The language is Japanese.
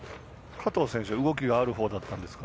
加藤選手は動きがあるほうだったんですか。